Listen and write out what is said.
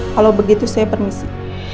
kalau begitu saya permisi